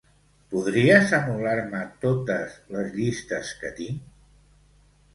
Podries anul·lar-me totes les llistes que tinc?